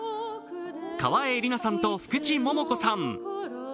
川栄李奈さんと福地桃子さん。